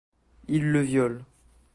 Ils le violent.